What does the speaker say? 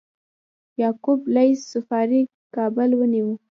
یعقوب لیث صفاري کابل ونیو